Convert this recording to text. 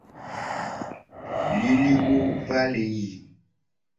Liliwo va le yi.